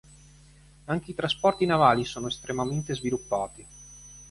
Anche i trasporti navali sono estremamente sviluppati.